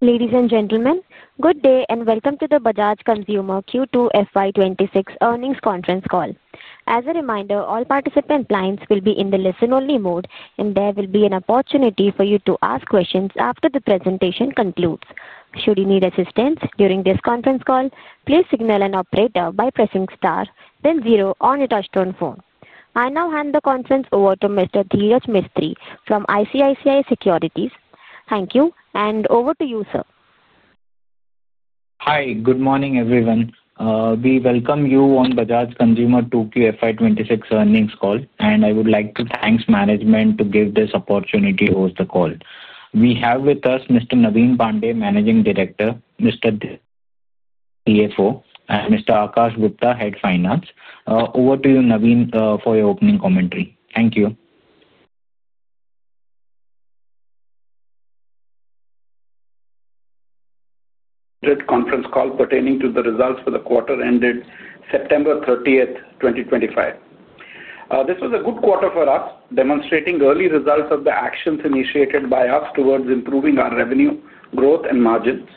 Ladies and gentlemen, good day and welcome to the Bajaj Consumer Q2 FY 2026 earnings conference call. As a reminder, all participant lines will be in the listen-only mode, and there will be an opportunity for you to ask questions after the presentation concludes. Should you need assistance during this conference call, please signal an operator by pressing star, then zero on your touch-tone phone. I now hand the conference over to Mr. Dhiraj Mistry from ICICI Securities. Thank you, and over to you, sir. Hi, good morning, everyone. We welcome you on Bajaj Consumer 2Q FY 2026 earnings call, and I would like to thank management for giving this opportunity to host the call. We have with us Mr. Naveen Pandey, Managing Director, Mr. Dilip Kumar Maloo, CFO, and Mr. Aakash Gupta, Head of Finance. Over to you, Naveen, for your opening commentary. Thank you. Conference call pertaining to the results for the quarter ended September 30th, 2025. This was a good quarter for us, demonstrating early results of the actions initiated by us towards improving our revenue growth and margins.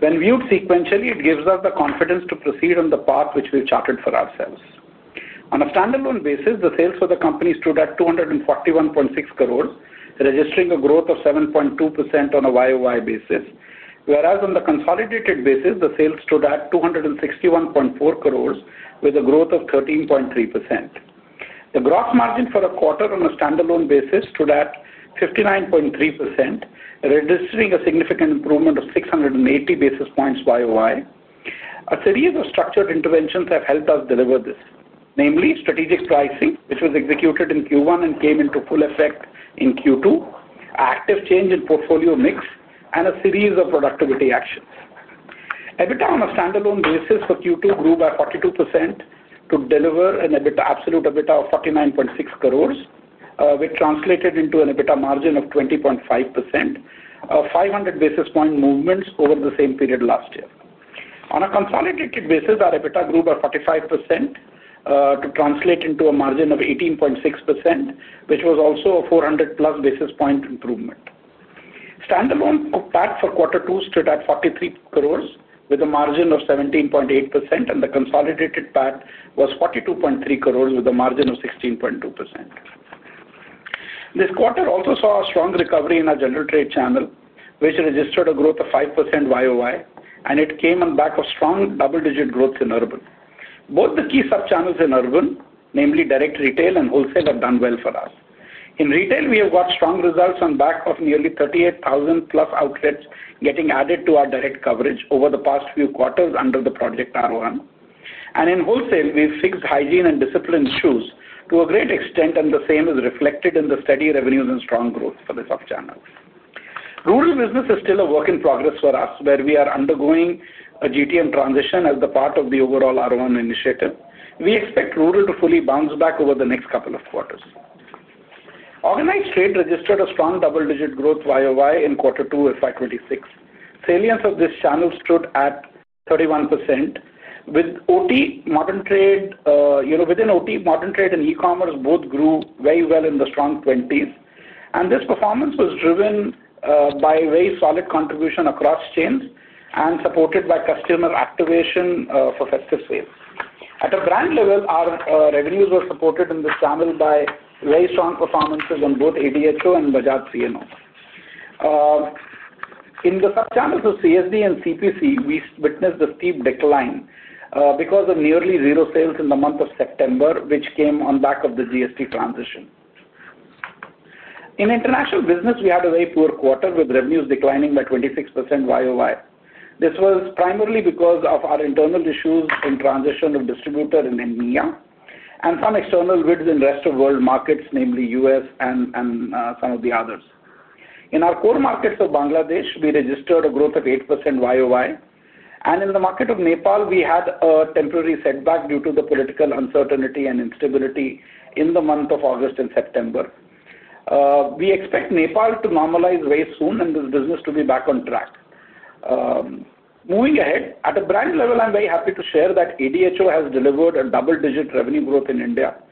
When viewed sequentially, it gives us the confidence to proceed on the path which we have charted for ourselves. On a standalone basis, the sales for the company stood at 241.6 crore, registering a growth of 7.2% on a YoY basis, whereas on the consolidated basis, the sales stood at 261.4 crore, with a growth of 13.3%. The gross margin for the quarter on a standalone basis stood at 59.3%, registering a significant improvement of 680 basis points YoY. A series of structured interventions have helped us deliver this, namely strategic pricing, which was executed in Q1 and came into full effect in Q2, active change in portfolio mix, and a series of productivity actions. EBITDA on a standalone basis for Q2 grew by 42% to deliver an EBITDA absolute EBITDA of 49.6 crore, which translated into an EBITDA margin of 20.5%, 500 basis point movements over the same period last year. On a consolidated basis, our EBITDA grew by 45% to translate into a margin of 18.6%, which was also a 400+ basis point improvement. Standalone PAT for quarter two stood at 43 crore, with a margin of 17.8%, and the consolidated PAT was 42.3 crore, with a margin of 16.2%. This quarter also saw a strong recovery in our general trade channel, which registered a growth of 5% YoY, and it came on the back of strong double-digit growth in urban. Both the key sub-channels in urban, namely direct retail and wholesale, have done well for us. In retail, we have got strong results on the back of nearly 38,000+ outlets getting added to our direct coverage over the past few quarters under Project Aarohan. In wholesale, we have fixed hygiene and discipline issues to a great extent, and the same is reflected in the steady revenues and strong growth for the sub-channels. Rural business is still a work in progress for us, where we are undergoing a GTM transition as part of the overall Aarohan initiative. We expect rural to fully bounce back over the next couple of quarters. Organized trade registered a strong double-digit growth YoY in quarter two FY 2026. Salience of this channel stood at 31%, with OT, modern trade within OT, modern trade, and e-commerce both grew very well in the strong 20s. This performance was driven by very solid contribution across chains and supported by customer activation for festive sales. At a brand level, our revenues were supported in this channel by very strong performances on both ADHO and Bajaj CNO. In the sub-channels of CSD and CPC, we witnessed a steep decline because of nearly zero sales in the month of September, which came on the back of the GST transition. In international business, we had a very poor quarter, with revenues declining by 26% YoY. This was primarily because of our internal issues in transition of distributor in India and some external bids in the rest of world markets, namely U.S. and some of the others. In our core markets of Bangladesh, we registered a growth of 8% YoY. In the market of Nepal, we had a temporary setback due to the political uncertainty and instability in the month of August and September. We expect Nepal to normalize very soon and this business to be back on track. Moving ahead, at a brand level, I'm very happy to share that ADHO has delivered a double-digit revenue growth in India,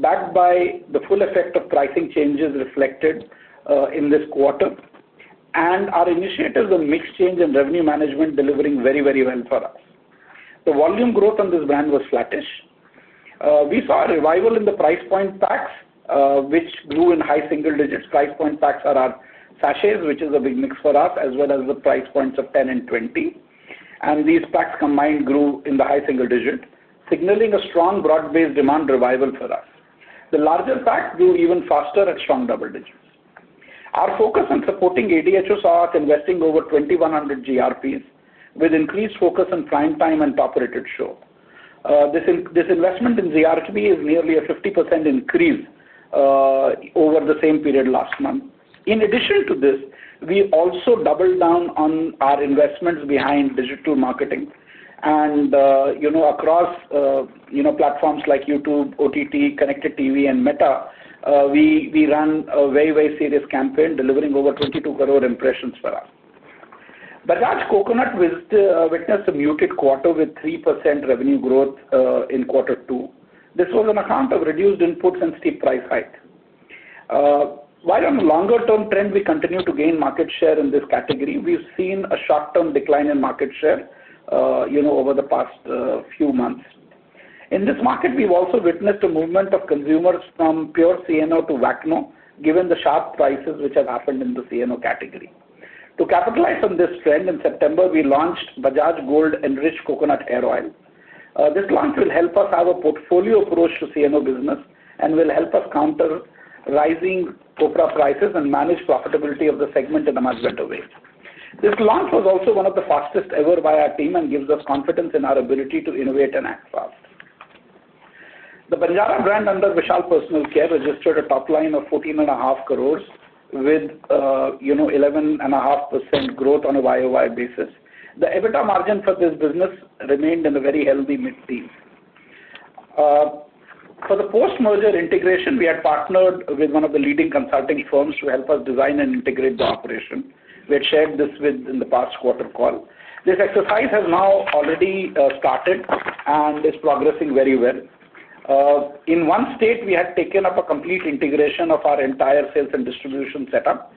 backed by the full effect of pricing changes reflected in this quarter. Our initiatives on mix change and revenue management are delivering very, very well for us. The volume growth on this brand was flattish. We saw a revival in the price point PATs, which grew in high single digits. Price point PATs are our sachets, which is a big mix for us, as well as the price points of 10 and 20. These PATs combined grew in the high single digit, signaling a strong broad-based demand revival for us. The larger PAT grew even faster at strong double digits. Our focus on supporting ADHO saw us investing over 2,100 GRPs, with increased focus on prime time and top-rated show. This investment in GRP is nearly a 50% increase over the same period last month. In addition to this, we also doubled down on our investments behind digital marketing. Across platforms like YouTube, OTT, connected TV, and Meta, we ran a very, very serious campaign delivering over 22 crore impressions for us. Bajaj Coconut witnessed a muted quarter with 3% revenue growth in quarter two. This was on account of reduced inputs and steep price hikes. While on a longer-term trend, we continue to gain market share in this category, we've seen a short-term decline in market share over the past few months. In this market, we've also witnessed a movement of consumers from pure CNO to [WACNO], given the sharp prices which have happened in the CNO category. To capitalize on this trend, in September, we launched Bajaj Gold Enrich Coconut Air Oil. This launch will help us have a portfolio approach to CNO business and will help us counter rising copra prices and manage profitability of the segment in a much better way. This launch was also one of the fastest ever by our team and gives us confidence in our ability to innovate and act fast. The Banjara brand under Vishal Personal Care registered a top line of 14.5 crore, with 11.5% growth on a YoY basis. The EBITDA margin for this business remained in a very healthy mid-teen. For the post-merger integration, we had partnered with one of the leading consulting firms to help us design and integrate the operation. We had shared this with in the past quarter call. This exercise has now already started and is progressing very well. In one state, we had taken up a complete integration of our entire sales and distribution setup,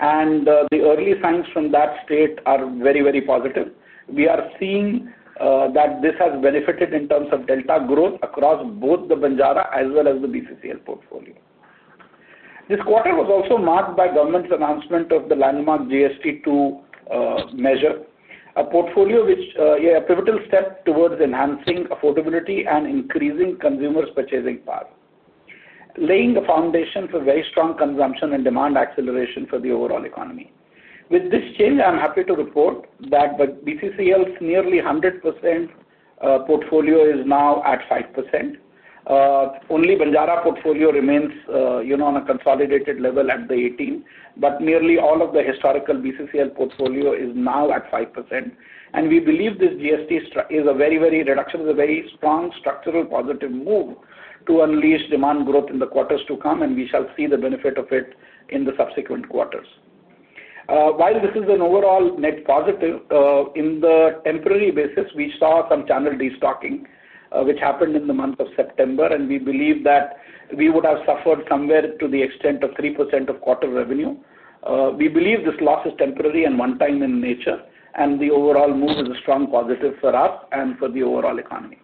and the early signs from that state are very, very positive. We are seeing that this has benefited in terms of delta growth across both the Banjara as well as the BCCL portfolio. This quarter was also marked by government's announcement of the landmark GST 2 measure, a portfolio which is a pivotal step towards enhancing affordability and increasing consumers' purchasing power, laying the foundation for very strong consumption and demand acceleration for the overall economy. With this change, I'm happy to report that BCCL's nearly 100% portfolio is now at 5%. Only Banjara portfolio remains on a consolidated level at 18%, but nearly all of the historical BCCL portfolio is now at 5%. We believe this GST is a very, very reduction of a very strong structural positive move to unleash demand growth in the quarters to come, and we shall see the benefit of it in the subsequent quarters. While this is an overall net positive, on a temporary basis, we saw some channel destocking, which happened in the month of September, and we believe that we would have suffered somewhere to the extent of 3% of quarter revenue. We believe this loss is temporary and one-time in nature, and the overall move is a strong positive for us and for the overall economy.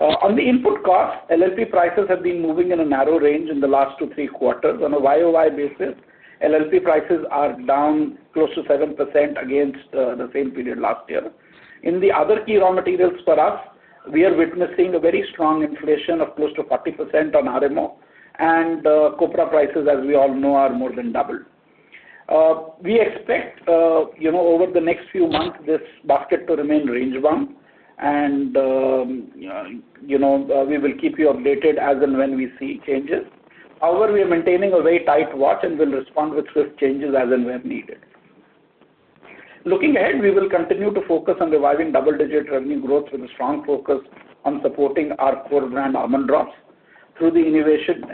On the input cost, LLP prices have been moving in a narrow range in the last two to three quarters. On a YoY basis, LLP prices are down close to 7% against the same period last year. In the other key raw materials for us, we are witnessing a very strong inflation of close to 40% on RMO, and copra prices, as we all know, are more than doubled. We expect over the next few months this basket to remain range-bound, and we will keep you updated as and when we see changes. However, we are maintaining a very tight watch and will respond with swift changes as and when needed. Looking ahead, we will continue to focus on reviving double-digit revenue growth with a strong focus on supporting our core brand Almond Drops through the innovation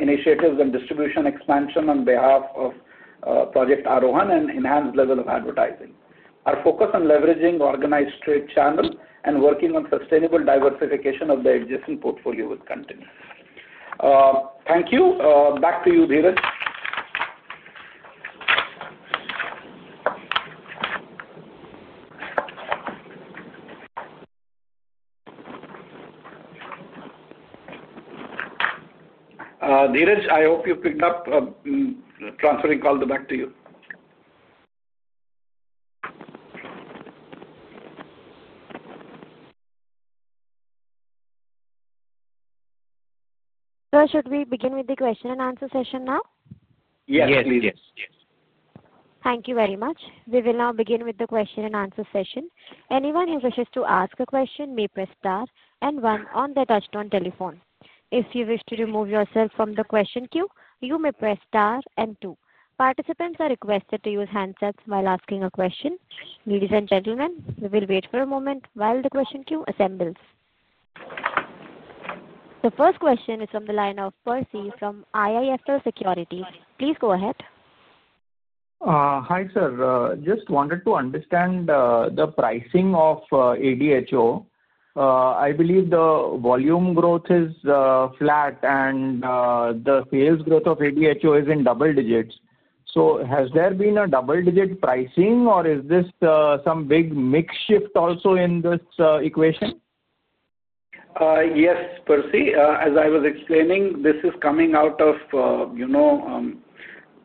initiatives and distribution expansion on behalf of Project Aarohan and enhanced level of advertising. Our focus on leveraging organized trade channel and working on sustainable diversification of the adjacent portfolio will continue. Thank you. Back to you, Dhiraj. Dhiraj, I hope you picked up. Transferring call back to you. Sir, should we begin with the question and answer session now? Yes, please. Thank you very much. We will now begin with the question and answer session. Anyone who wishes to ask a question may press star and one on their touch-tone telephone. If you wish to remove yourself from the question queue, you may press star and two. Participants are requested to use handsets while asking a question. Ladies and gentlemen, we will wait for a moment while the question queue assembles. The first question is from the line of Percy from IIFL Securities. Please go ahead. Hi sir. Just wanted to understand the pricing of ADHO. I believe the volume growth is flat, and the sales growth of ADHO is in double digits. Has there been a double-digit pricing, or is this some big mix shift also in this equation? Yes, Percy. As I was explaining, this is coming out of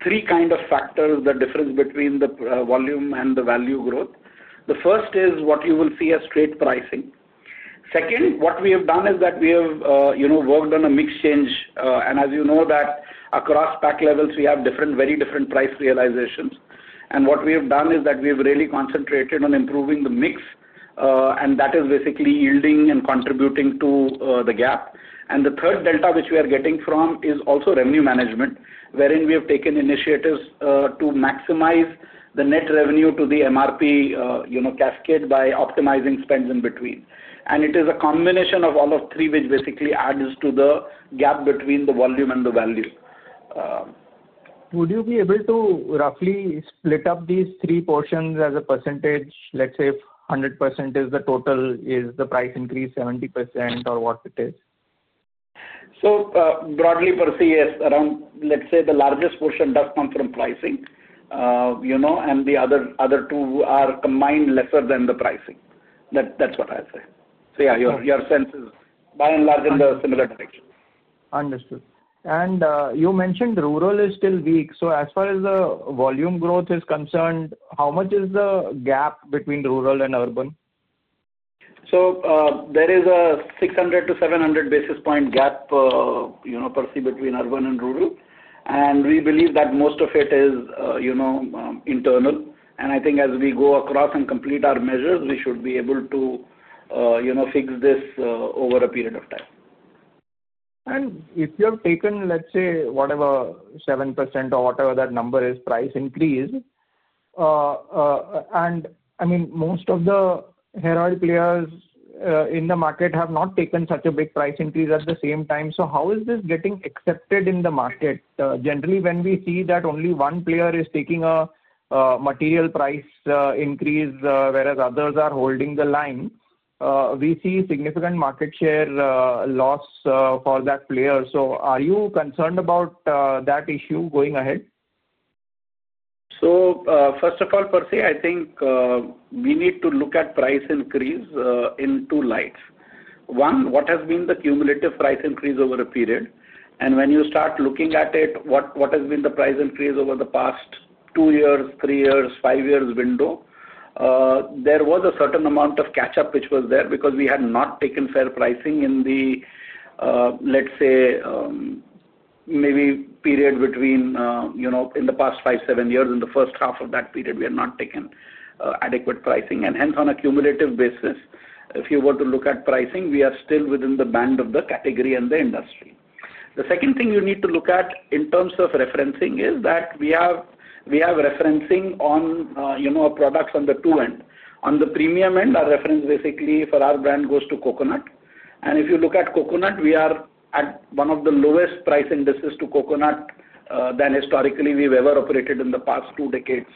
three kinds of factors, the difference between the volume and the value growth. The first is what you will see as straight pricing. Second, what we have done is that we have worked on a mix change. As you know, across PAT levels, we have very different price realizations. What we have done is that we have really concentrated on improving the mix, and that is basically yielding and contributing to the gap. The third delta which we are getting from is also revenue management, wherein we have taken initiatives to maximize the net revenue to the MRP cascade by optimizing spends in between. It is a combination of all three which basically adds to the gap between the volume and the value. Would you be able to roughly split up these three portions as a percentage? Let's say 100% is the total, is the price increase 70% or what it is? Broadly, Percy, yes. Let's say the largest portion does come from pricing, and the other two are combined lesser than the pricing. That is what I will say. Your sense is by and large in the similar direction. Understood. You mentioned rural is still weak. As far as the volume growth is concerned, how much is the gap between rural and urban? There is a 600 basis pont-700 basis point gap, Percy, between urban and rural. We believe that most of it is internal. I think as we go across and complete our measures, we should be able to fix this over a period of time. If you have taken, let's say, whatever 7% or whatever that number is, price increase, and I mean, most of the heroic players in the market have not taken such a big price increase at the same time, how is this getting accepted in the market? Generally, when we see that only one player is taking a material price increase whereas others are holding the line, we see significant market share loss for that player. Are you concerned about that issue going ahead? First of all, Percy, I think we need to look at price increase in two lights. One, what has been the cumulative price increase over a period? When you start looking at it, what has been the price increase over the past two years, three years, five years window? There was a certain amount of catch-up which was there because we had not taken fair pricing in the, let's say, maybe period between in the past five, seven years. In the first half of that period, we had not taken adequate pricing. Hence, on a cumulative basis, if you were to look at pricing, we are still within the band of the category and the industry. The second thing you need to look at in terms of referencing is that we have referencing on products on the two end. On the premium end, our reference basically for our brand goes to coconut. If you look at coconut, we are at one of the lowest price indices to coconut than historically we've ever operated in the past two decades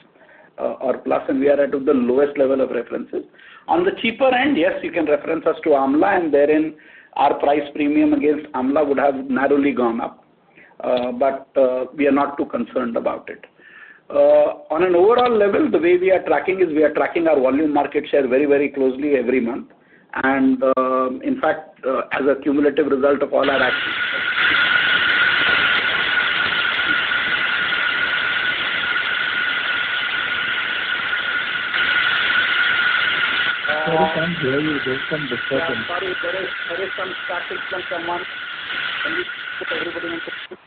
or plus, and we are at the lowest level of references. On the cheaper end, yes, you can reference us to Amla, and therein our price premium against Amla would have narrowly gone up. We are not too concerned about it. On an overall level, the way we are tracking is we are tracking our volume market share very, very closely every month. In fact, as a cumulative result of all our actions. Sorry, sir, you heard your voice from the side. Sorry, there is some static from someone. Can you put everybody on mute?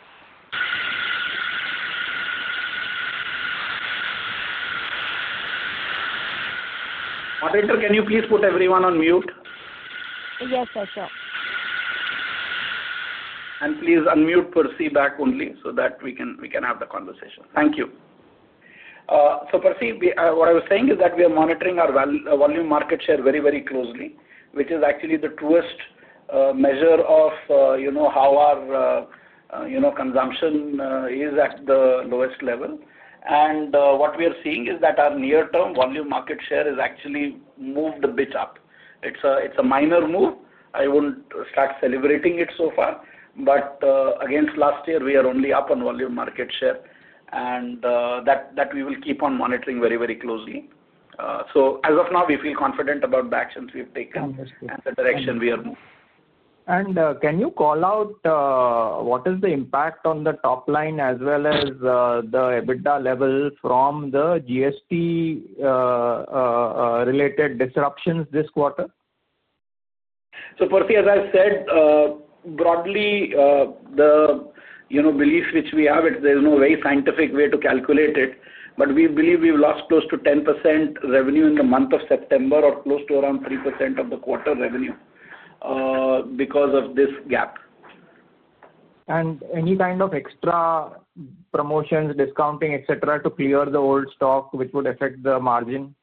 Moderator, can you please put everyone on mute? Yes, sir. Sure. Please unmute Percy back only so that we can have the conversation. Thank you. Percy, what I was saying is that we are monitoring our volume market share very, very closely, which is actually the truest measure of how our consumption is at the lowest level. What we are seeing is that our near-term volume market share has actually moved a bit up. It is a minor move. I will not start celebrating it so far. Against last year, we are only up on volume market share. We will keep on monitoring very, very closely. As of now, we feel confident about the actions we have taken and the direction we are moving. Can you call out what is the impact on the top line as well as the EBITDA level from the GST-related disruptions this quarter? Percy, as I said, broadly, the belief which we have is there is no very scientific way to calculate it. We believe we have lost close to 10% revenue in the month of September or close to around 3% of the quarter revenue because of this gap. Any kind of extra promotions, discounting, etc., to clear the old stock would affect the margin?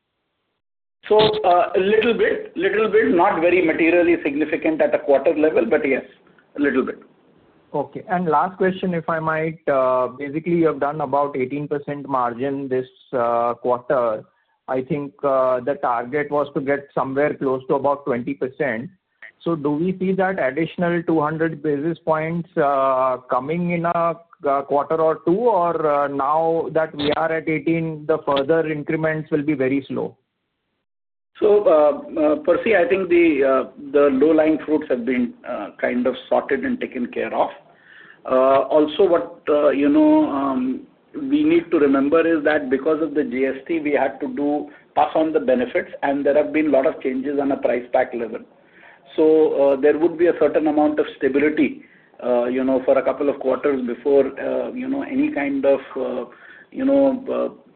A little bit. Little bit. Not very materially significant at the quarter level, but yes, a little bit. Okay. Last question, if I might. Basically, you have done about 18% margin this quarter. I think the target was to get somewhere close to about 20%. Do we see that additional 200 basis points coming in a quarter or two, or now that we are at 18%, the further increments will be very slow? Percy, I think the low-lying fruits have been kind of sorted and taken care of. Also, what we need to remember is that because of the GST, we had to pass on the benefits, and there have been a lot of changes on a price pack level. There would be a certain amount of stability for a couple of quarters before any kind of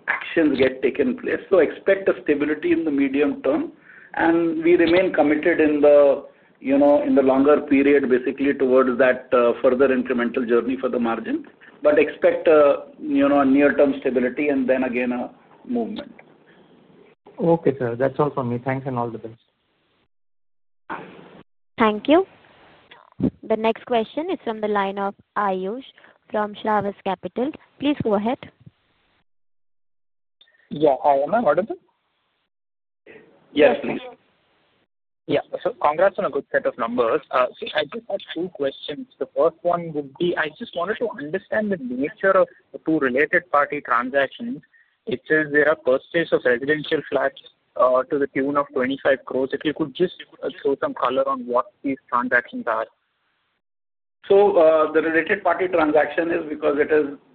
actions get taken place. Expect a stability in the medium term. We remain committed in the longer period, basically towards that further incremental journey for the margins. Expect a near-term stability and then again a movement. Okay, sir. That's all from me. Thanks and all the best. Thank you. The next question is from the line of [Ayush] from Shravas Capital. Please go ahead. Yeah. Hi. Am I audible? Yes, please. Yeah. Congrats on a good set of numbers. See, I just have two questions. The first one would be I just wanted to understand the nature of the two related-party transactions. It says there are purchases of residential flats to the tune of 25 crore. If you could just throw some color on what these transactions are. The related-party transaction is because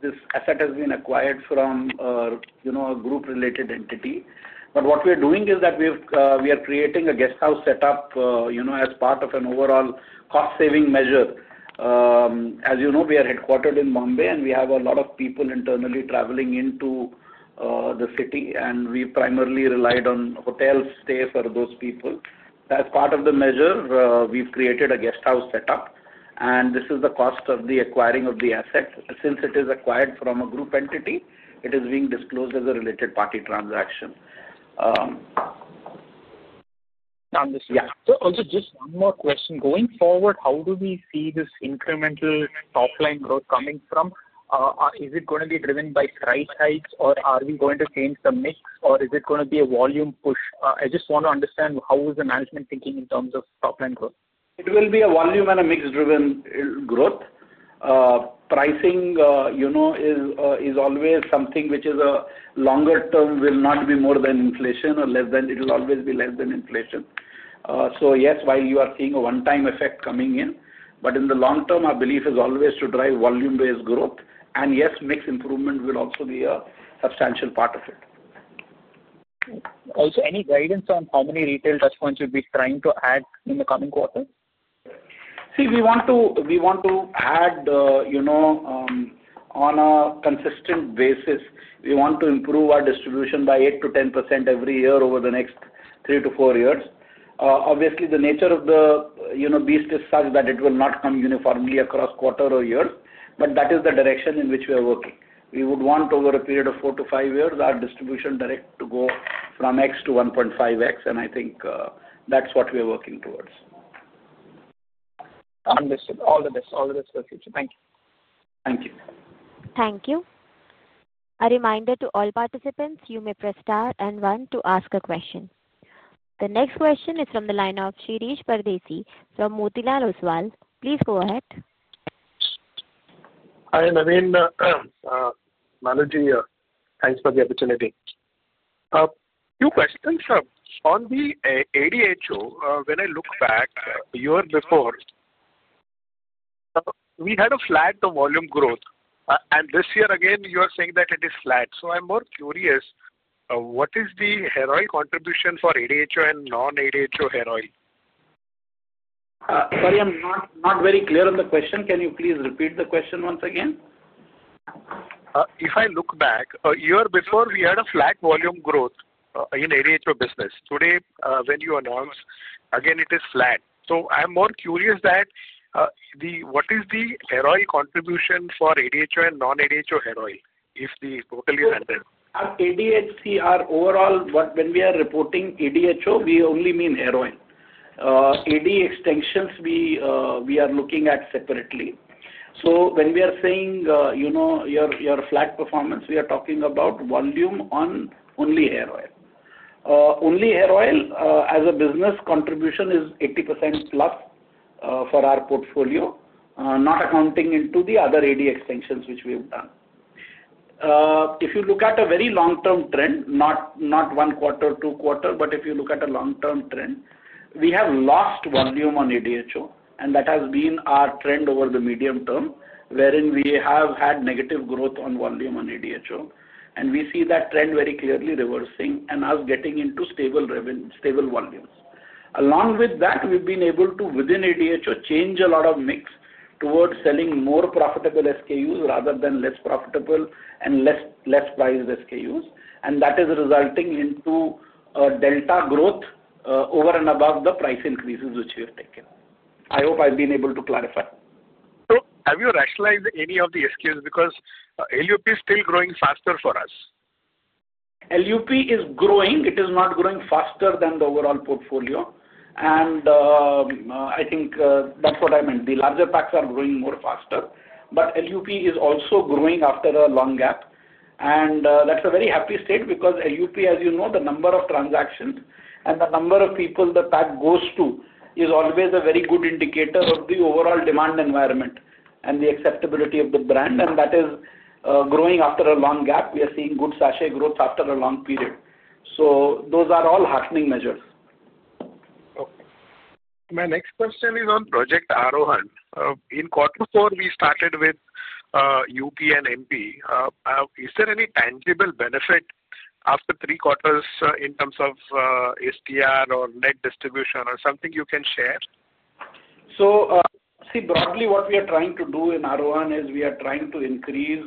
this asset has been acquired from a group-related entity. What we are doing is that we are creating a guesthouse setup as part of an overall cost-saving measure. As you know, we are headquartered in Bombay, and we have a lot of people internally traveling into the city, and we primarily relied on hotels to stay for those people. As part of the measure, we have created a guesthouse setup. This is the cost of the acquiring of the asset. Since it is acquired from a group entity, it is being disclosed as a related-party transaction. Understood. Yeah. Just one more question. Going forward, how do we see this incremental top-line growth coming from? Is it going to be driven by price hikes, or are we going to change the mix, or is it going to be a volume push? I just want to understand how is the management thinking in terms of top-line growth. It will be a volume and a mix-driven growth. Pricing is always something which is a longer-term will not be more than inflation or less than it will always be less than inflation. Yes, while you are seeing a one-time effect coming in, in the long term, our belief is always to drive volume-based growth. Yes, mix improvement will also be a substantial part of it. Also, any guidance on how many retail touchpoints you'll be trying to add in the coming quarter? See, we want to add on a consistent basis. We want to improve our distribution by 8%-10% every year over the next three to four years. Obviously, the nature of the beast is such that it will not come uniformly across quarter or year, but that is the direction in which we are working. We would want, over a period of four to five years, our distribution direct to go from x to 1.5x, and I think that's what we are working towards. Understood. All the best. All the best for the future. Thank you. Thank you. Thank you. A reminder to all participants, you may press star and one to ask a question. The next question is from the line of [Shireesh Perwiti] from Motilal Oswal. Please go ahead. Hi, Naveen. Thanks for the opportunity. Two questions. On the ADHO, when I look back a year before, we had a flat volume growth. And this year, again, you are saying that it is flat. I am more curious, what is the heroic contribution for ADHO and non-ADHO heroic? Sorry, I'm not very clear on the question. Can you please repeat the question once again? If I look back, a year before, we had a flat volume growth in ADHO business. Today, when you announce, again, it is flat. I am more curious that what is the heroic contribution for ADHO and non-ADHO heroic if the total is 100%? ADHO overall, when we are reporting ADHO, we only mean hair oil. AD extensions we are looking at separately. When we are saying your flat performance, we are talking about volume on only hair oil. Only hair oil as a business contribution is 80%+ for our portfolio, not accounting into the other AD extensions which we have done. If you look at a very long-term trend, not one quarter, two quarters, but if you look at a long-term trend, we have lost volume on ADHO, and that has been our trend over the medium term, wherein we have had negative growth on volume on ADHO. We see that trend very clearly reversing and us getting into stable volumes. Along with that, we have been able to, within ADHO, change a lot of mix towards selling more profitable SKUs rather than less profitable and less priced SKUs. That is resulting into a delta growth over and above the price increases which we have taken. I hope I've been able to clarify. Have you rationalized any of the SKUs because LUP is still growing faster for us? LUP is growing. It is not growing faster than the overall portfolio. I think that's what I meant. The larger packs are growing more faster. LUP is also growing after a long gap. That's a very happy state because LUP, as you know, the number of transactions and the number of people the pack goes to is always a very good indicator of the overall demand environment and the acceptability of the brand. That is growing after a long gap. We are seeing good sachet growth after a long period. Those are all heartening measures. Okay. My next question is on Project Aarohan. In quarter four, we started with UP and MP. Is there any tangible benefit after three quarters in terms of STR or net distribution or something you can share? See, broadly, what we are trying to do in Aarohan is we are trying to increase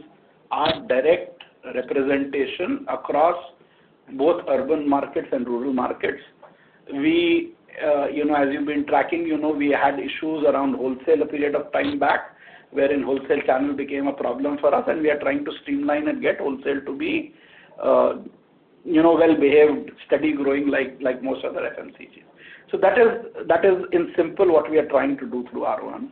our direct representation across both urban markets and rural markets. As you have been tracking, we had issues around wholesale a period of time back, wherein wholesale channel became a problem for us. We are trying to streamline and get wholesale to be well-behaved, steady, growing like most other FMCGs. That is, in simple, what we are trying to do through Aarohan.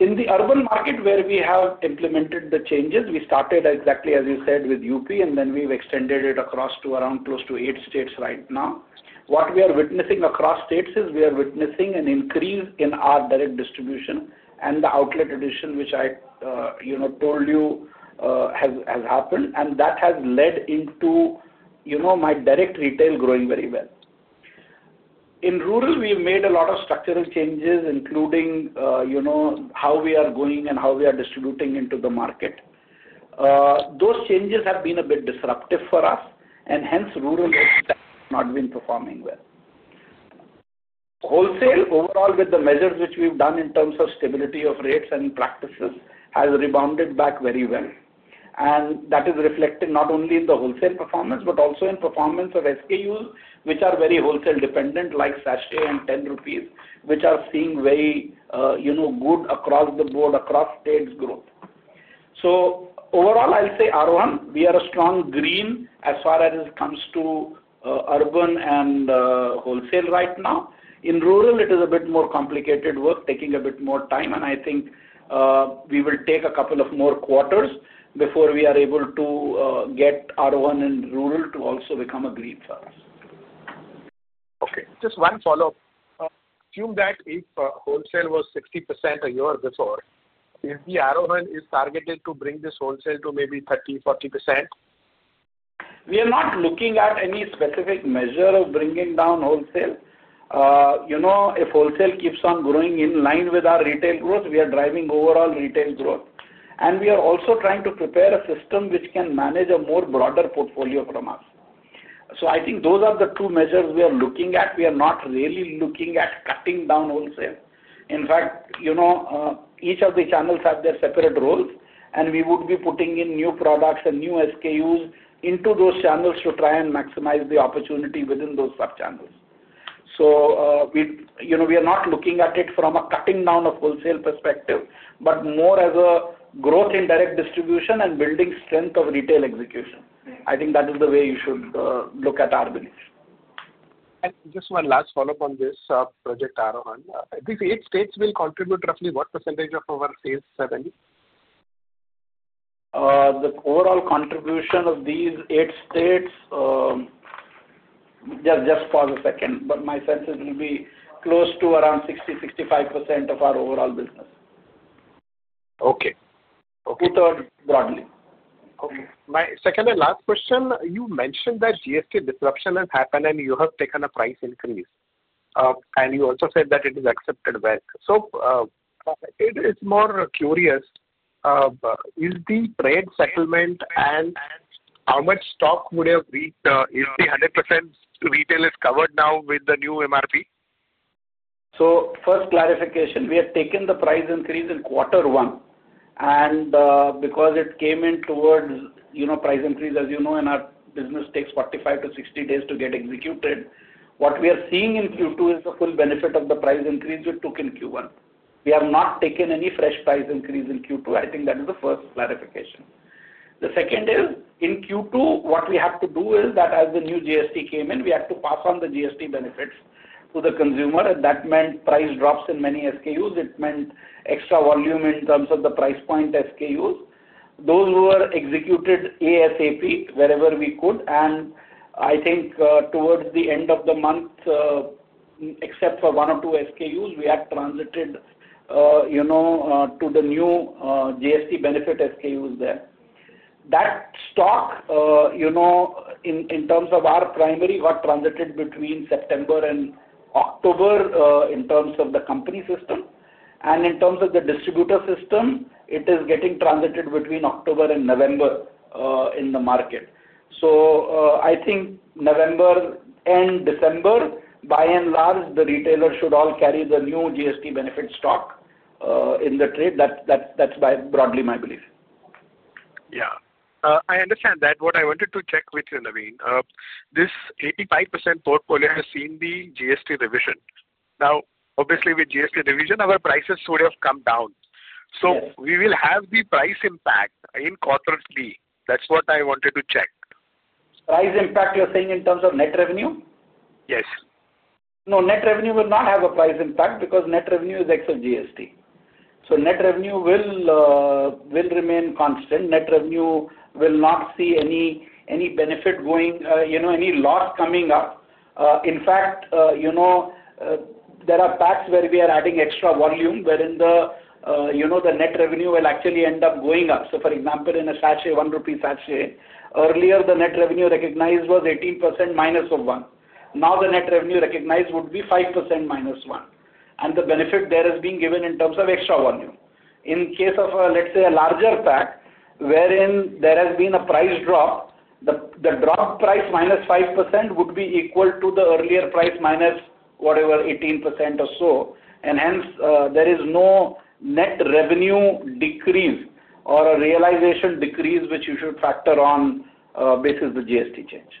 In the urban market, where we have implemented the changes, we started exactly as you said with LUP, and then we have extended it across to around close to eight states right now. What we are witnessing across states is we are witnessing an increase in our direct distribution and the outlet addition, which I told you has happened. That has led into my direct retail growing very well. In rural, we've made a lot of structural changes, including how we are going and how we are distributing into the market. Those changes have been a bit disruptive for us, and hence, rural has not been performing well. Wholesale, overall, with the measures which we've done in terms of stability of rates and practices, has rebounded back very well. That is reflected not only in the wholesale performance but also in performance of SKUs, which are very wholesale-dependent like sachet and 10 rupees, which are seeing very good across the board, across states' growth. Overall, I'll say Aarohan, we are a strong green as far as it comes to urban and wholesale right now. In rural, it is a bit more complicated work, taking a bit more time. I think we will take a couple of more quarters before we are able to get Aarohan and rural to also become a green for us. Okay. Just one follow-up. Assume that if wholesale was 60% a year before, if the Aarohan is targeted to bring this wholesale to maybe 30%-40%. We are not looking at any specific measure of bringing down wholesale. If wholesale keeps on growing in line with our retail growth, we are driving overall retail growth. We are also trying to prepare a system which can manage a more broader portfolio from us. I think those are the two measures we are looking at. We are not really looking at cutting down wholesale. In fact, each of the channels have their separate roles, and we would be putting in new products and new SKUs into those channels to try and maximize the opportunity within those sub-channels. We are not looking at it from a cutting down of wholesale perspective, but more as a growth in direct distribution and building strength of retail execution. I think that is the way you should look at our beliefs. Just one last follow-up on this Project Aarohan. I think eight states will contribute roughly what percentage of our sales? The overall contribution of these eight states, just pause a second, but my sense is it will be close to around 60%-65% of our overall business. Okay. Two-thirds broadly. Okay. My second and last question. You mentioned that GST disruption has happened, and you have taken a price increase. You also said that it is accepted well. I am more curious, is the trade settlement and how much stock would have reached if the 100% retail is covered now with the new MRP? First clarification, we have taken the price increase in quarter one. Because it came in towards price increase, as you know, and our business takes 45-60 days to get executed, what we are seeing in Q2 is the full benefit of the price increase we took in Q1. We have not taken any fresh price increase in Q2. I think that is the first clarification. The second is, in Q2, what we have to do is that as the new GST came in, we had to pass on the GST benefits to the consumer. That meant price drops in many SKUs. It meant extra volume in terms of the price point SKUs. Those were executed ASAP wherever we could. I think towards the end of the month, except for one or two SKUs, we had transited to the new GST benefit SKUs there. That stock, in terms of our primary, got transited between September and October in terms of the company system. In terms of the distributor system, it is getting transited between October and November in the market. I think November and December, by and large, the retailers should all carry the new GST benefit stock in the trade. That's broadly my belief. Yeah. I understand that. What I wanted to check with you, Naveen, this 85% portfolio has seen the GST revision. Now, obviously, with GST revision, our prices would have come down. We will have the price impact in quarter three. That is what I wanted to check. Price impact, you're saying in terms of net revenue? Yes. No, net revenue will not have a price impact because net revenue is x of GST. Net revenue will remain constant. Net revenue will not see any benefit going, any loss coming up. In fact, there are packs where we are adding extra volume, wherein the net revenue will actually end up going up. For example, in a sachet, 1 rupee sachet, earlier, the net revenue recognized was 18%- of 1. Now, the net revenue recognized would be 5%- 1. The benefit there is being given in terms of extra volume. In case of, let's say, a larger pack, wherein there has been a price drop, the drop price -5% would be equal to the earlier price minus whatever, 18% or so. Hence, there is no net revenue decrease or a realization decrease which you should factor on basis of the GST change.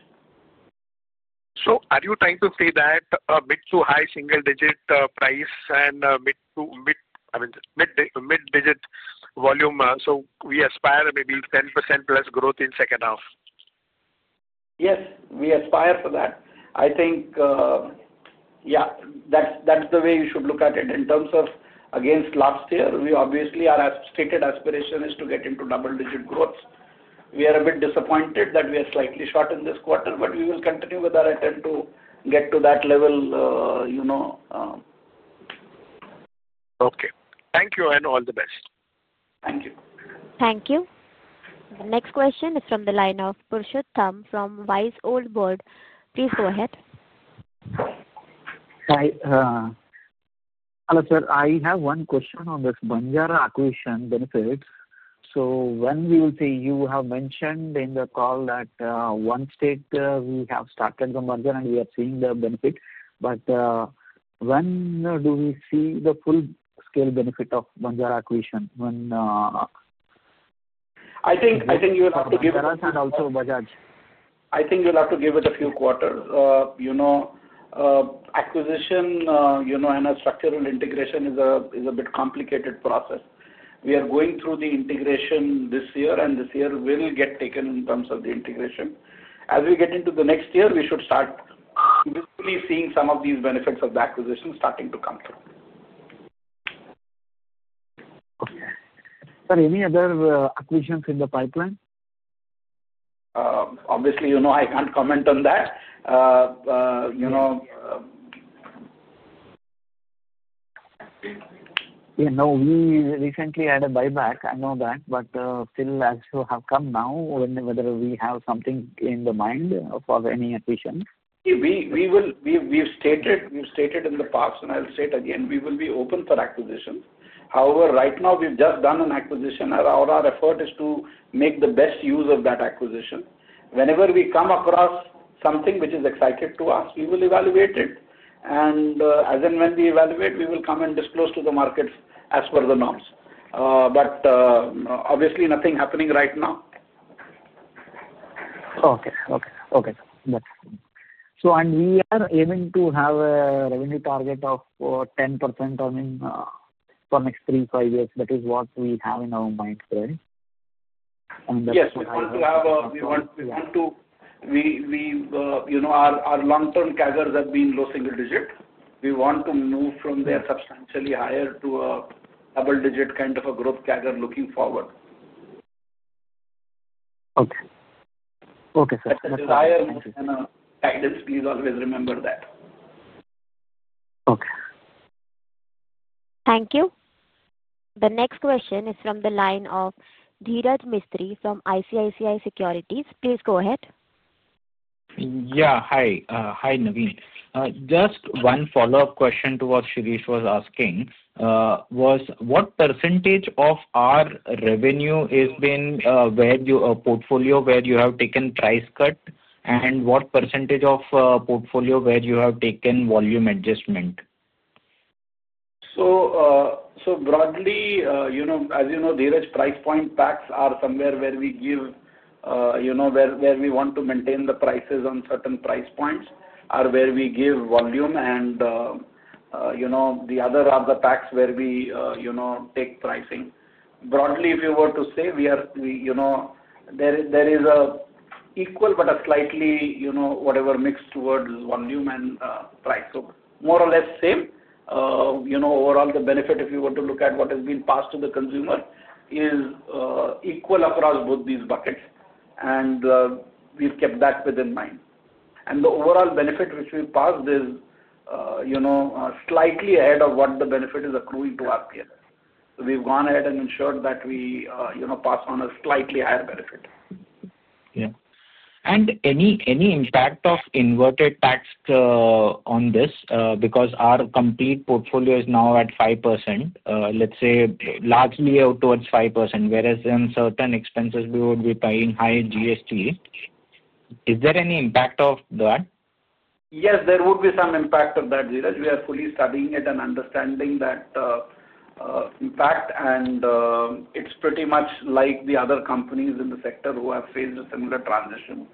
Are you trying to say that a bit too high single-digit price and mid-digit volume, so we aspire maybe 10%+ growth in second half? Yes, we aspire for that. I think, yeah, that's the way you should look at it. In terms of against last year, we obviously, our stated aspiration is to get into double-digit growth. We are a bit disappointed that we are slightly short in this quarter, but we will continue with our attempt to get to that level. Okay. Thank you and all the best. Thank you. Thank you. The next question is from the line of [Purshotham from Wise Old World]. Please go ahead. Hi, hello sir. I have one question on this Banjara acquisition benefits. When will we see, you have mentioned in the call that one state we have started the merger and we are seeing the benefit. When do we see the full-scale benefit of Banjara acquisition? I think you'll have to give it. I think you'll have to give it a few quarters. Acquisition and a structural integration is a bit complicated process. We are going through the integration this year, and this year will get taken in terms of the integration. As we get into the next year, we should start seeing some of these benefits of the acquisition starting to come through. Okay. Are there any other acquisitions in the pipeline? Obviously, I can't comment on that. Yeah, no, we recently had a buyback. I know that. Still, as you have come now, whether we have something in the mind for any acquisition? We've stated in the past, and I'll state again, we will be open for acquisitions. However, right now, we've just done an acquisition. Our effort is to make the best use of that acquisition. Whenever we come across something which is exciting to us, we will evaluate it. As and when we evaluate, we will come and disclose to the market as per the norms. Obviously, nothing happening right now. Okay. Okay. Okay. So we are aiming to have a revenue target of 10% for next three, five years. That is what we have in our mindset. Yes, we want to. Our long-term CAGRs have been low single-digit. We want to move from there substantially higher to a double-digit kind of a growth CAGR looking forward. Okay. Okay, sir. That's the desire and guidance. Please always remember that. Okay. Thank you. The next question is from the line of Dhiraj Mistry from ICICI Securities. Please go ahead. Yeah. Hi. Hi, Naveen. Just one follow-up question to what Shireesh was asking was, what percentage of our revenue is in a portfolio where you have taken price cut, and what percentage of portfolio where you have taken volume adjustment? Broadly, as you know, Dhiraj, price point packs are somewhere where we give, where we want to maintain the prices on certain price points or where we give volume. The other are the packs where we take pricing. Broadly, if you were to say, there is an equal but a slightly whatever mix towards volume and price. More or less same. Overall, the benefit, if you were to look at what has been passed to the consumer, is equal across both these buckets. We have kept that within mind. The overall benefit which we passed is slightly ahead of what the benefit is accruing to our peers. We have gone ahead and ensured that we pass on a slightly higher benefit. Yeah. Any impact of inverted tax on this? Because our complete portfolio is now at 5%, let's say largely towards 5%, whereas in certain expenses, we would be paying high GST. Is there any impact of that? Yes, there would be some impact of that, Dhiraj. We are fully studying it and understanding that impact. It is pretty much like the other companies in the sector who have faced a similar transition.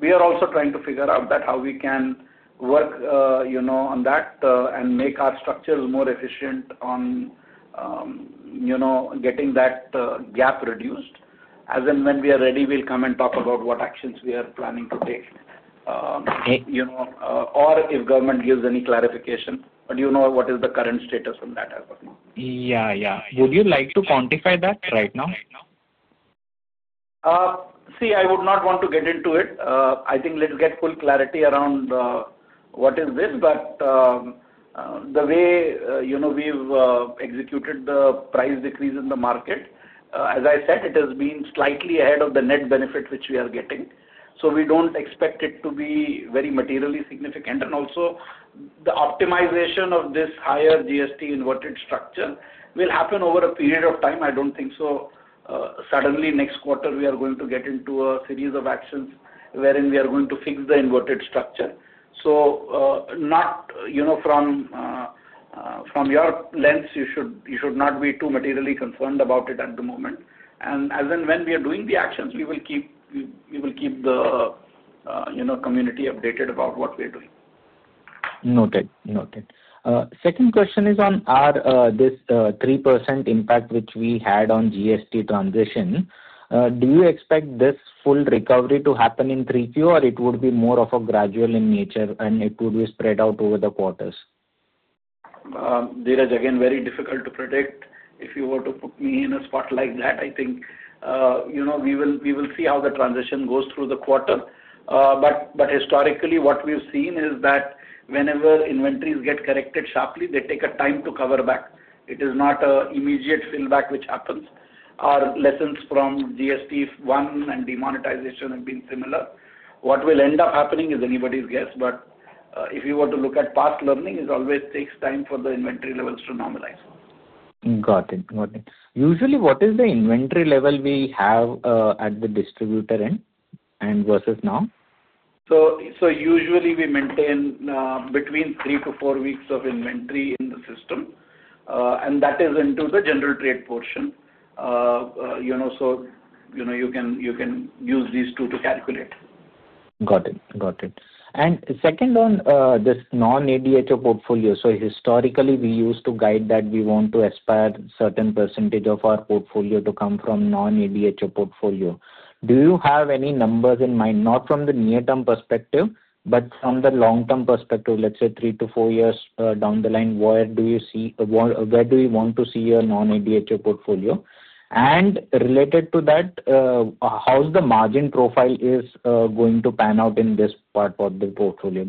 We are also trying to figure out how we can work on that and make our structures more efficient on getting that gap reduced. As in, when we are ready, we will come and talk about what actions we are planning to take or if government gives any clarification. You know what is the current status on that as of now. Yeah. Yeah. Would you like to quantify that right now? See, I would not want to get into it. I think let's get full clarity around what is this. The way we've executed the price decrease in the market, as I said, it has been slightly ahead of the net benefit which we are getting. We don't expect it to be very materially significant. Also, the optimization of this higher GST inverted structure will happen over a period of time. I don't think so. Suddenly, next quarter, we are going to get into a series of actions wherein we are going to fix the inverted structure. From your lens, you should not be too materially concerned about it at the moment. As and when we are doing the actions, we will keep the community updated about what we are doing. Noted. Noted. Second question is on this 3% impact which we had on GST transition. Do you expect this full recovery to happen in 3Q, or it would be more of a gradual in nature, and it would be spread out over the quarters? Dhiraj, again, very difficult to predict. If you were to put me in a spot like that, I think we will see how the transition goes through the quarter. Historically, what we've seen is that whenever inventories get corrected sharply, they take a time to cover back. It is not an immediate fill back which happens. Our lessons from GST 1 and demonetization have been similar. What will end up happening is anybody's guess. If you were to look at past learning, it always takes time for the inventory levels to normalize. Got it. Got it. Usually, what is the inventory level we have at the distributor end versus now? Usually, we maintain between three to four weeks of inventory in the system. That is into the general trade portion. You can use these two to calculate. Got it. Got it. Second, on this non-ADHO portfolio. Historically, we used to guide that we want to aspire a certain percentage of our portfolio to come from non-ADHO portfolio. Do you have any numbers in mind, not from the near-term perspective, but from the long-term perspective, let's say three to four years down the line, where do you see, where do you want to see your non-ADHO portfolio? Related to that, how's the margin profile going to pan out in this part of the portfolio?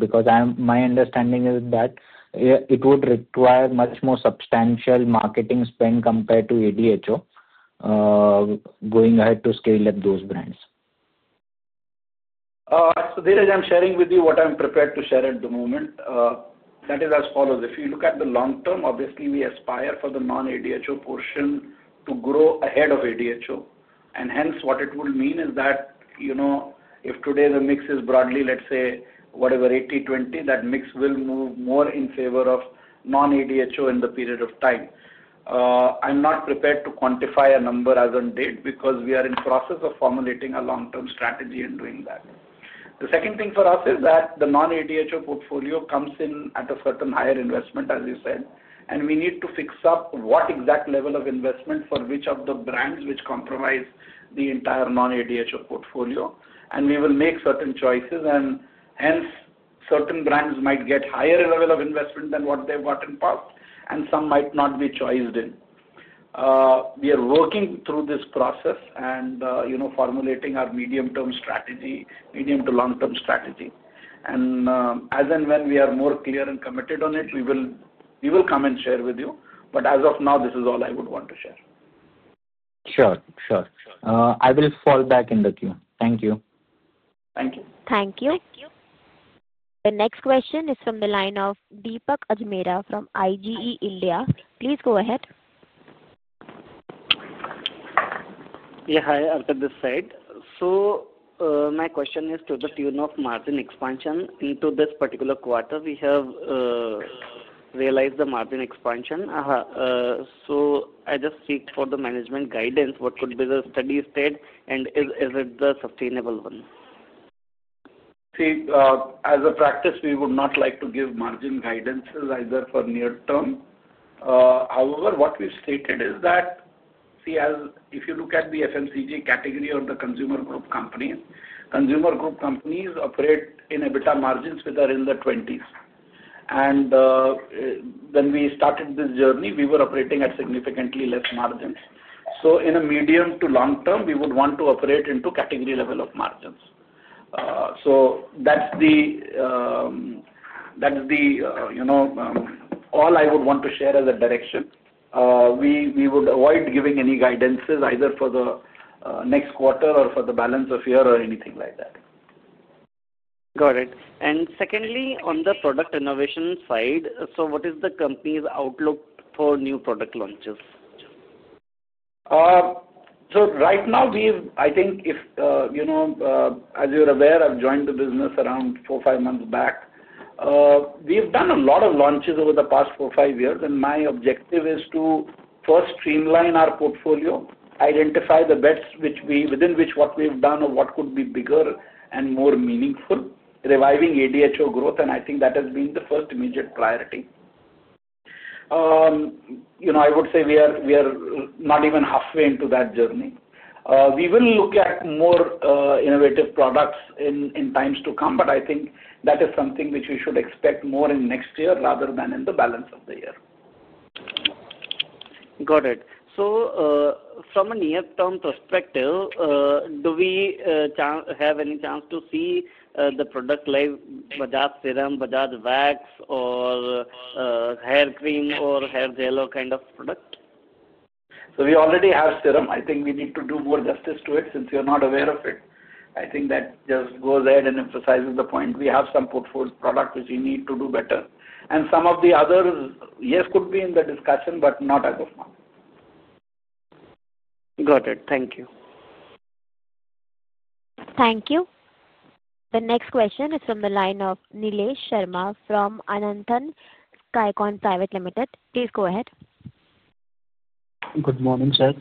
My understanding is that it would require much more substantial marketing spend compared to ADHO going ahead to scale up those brands. Dhiraj, I'm sharing with you what I'm prepared to share at the moment. That is as follows. If you look at the long term, obviously, we aspire for the non-ADHO portion to grow ahead of ADHO. Hence, what it would mean is that if today the mix is broadly, let's say, whatever, 80/20, that mix will move more in favor of non-ADHO in the period of time. I'm not prepared to quantify a number as on date because we are in the process of formulating a long-term strategy and doing that. The second thing for us is that the non-ADHO portfolio comes in at a certain higher investment, as you said. We need to fix up what exact level of investment for which of the brands which comprise the entire non-ADHO portfolio. We will make certain choices. Hence, certain brands might get higher level of investment than what they've got in the past, and some might not be choised in. We are working through this process and formulating our medium-term strategy, medium to long-term strategy. As and when we are more clear and committed on it, we will come and share with you. As of now, this is all I would want to share. Sure. Sure. I will fall back in the queue. Thank you. Thank you. Thank you. The next question is from the line of Deepak Ajmera from I G E (INDIA). Please go ahead. Yeah. Hi, I'll say this. So my question is to the tune of margin expansion into this particular quarter. We have realized the margin expansion. I just seek for the management guidance, what could be the steady state, and is it the sustainable one? See, as a practice, we would not like to give margin guidances either for near term. However, what we've stated is that, see, if you look at the FMCG category of the consumer group companies, consumer group companies operate in EBITDA margins which are in the 20s. When we started this journey, we were operating at significantly less margins. In a medium to long term, we would want to operate into category level of margins. That's all I would want to share as a direction. We would avoid giving any guidances either for the next quarter or for the balance of year or anything like that. Got it. Secondly, on the product innovation side, what is the company's outlook for new product launches? Right now, I think, as you're aware, I've joined the business around four-five months back. We've done a lot of launches over the past four-five years. My objective is to first streamline our portfolio, identify the bets within which what we've done or what could be bigger and more meaningful, reviving ADHO growth. I think that has been the first immediate priority. I would say we are not even halfway into that journey. We will look at more innovative products in times to come. I think that is something which we should expect more in next year rather than in the balance of the year. Got it. So from a near-term perspective, do we have any chance to see the product like Bajaj Serum, Bajaj Wax, or hair cream, or hair gel kind of product? We already have serum. I think we need to do more justice to it since you're not aware of it. I think that just goes ahead and emphasizes the point. We have some portfolio products which we need to do better. And some of the others, yes, could be in the discussion, but not as of now. Got it. Thank you. Thank you. The next question is from the line of [Nilesh Sharma] from Ananthan Skycon Private Limited. Please go ahead. Good morning, sir.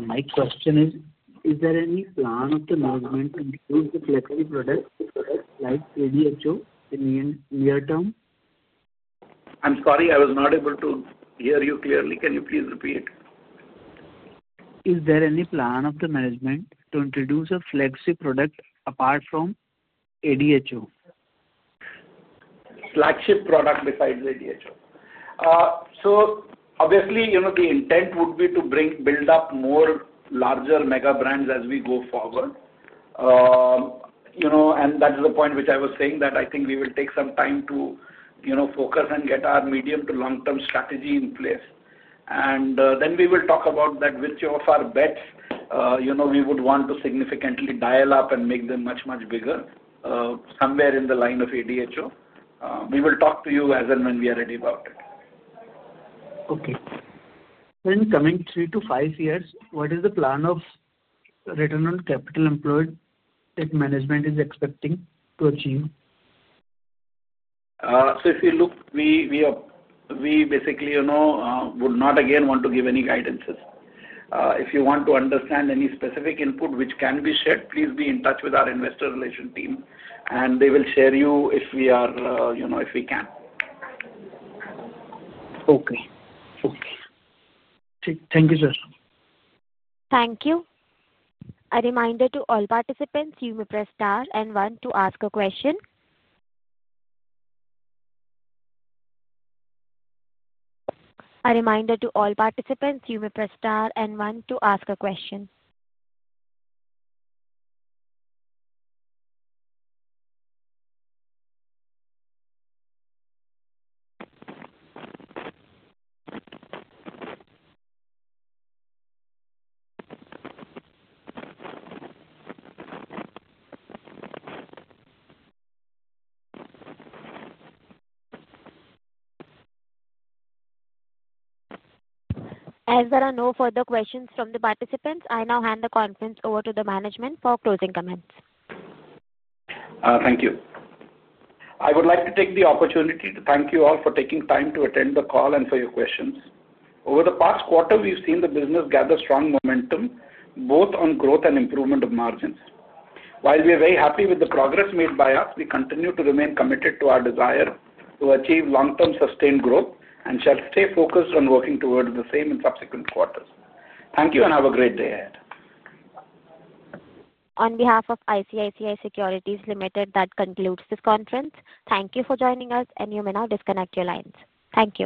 My question is, is there any plan of the management to use the flexi products like ADHO in the near term? I'm sorry. I was not able to hear you clearly. Can you please repeat? Is there any plan of the management to introduce a flexi product apart from ADHO? Flagship product besides ADHO. Obviously, the intent would be to build up more larger mega brands as we go forward. That is the point which I was saying that I think we will take some time to focus and get our medium to long-term strategy in place. Then we will talk about which of our bets we would want to significantly dial up and make them much, much bigger somewhere in the line of ADHO. We will talk to you as and when we are ready about it. Okay. Then coming three to five years, what is the plan of return on capital employed that management is expecting to achieve? If you look, we basically would not again want to give any guidances. If you want to understand any specific input which can be shared, please be in touch with our investor relation team. They will share with you if we can. Okay. Okay. Thank you, sir. Thank you. A reminder to all participants, you may press star and one to ask a question. As there are no further questions from the participants, I now hand the conference over to the management for closing comments. Thank you. I would like to take the opportunity to thank you all for taking time to attend the call and for your questions. Over the past quarter, we've seen the business gather strong momentum both on growth and improvement of margins. While we are very happy with the progress made by us, we continue to remain committed to our desire to achieve long-term sustained growth and shall stay focused on working towards the same in subsequent quarters. Thank you and have a great day ahead. On behalf of ICICI Securities Limited, that concludes this conference. Thank you for joining us, and you may now disconnect your lines. Thank you.